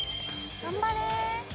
頑張れ。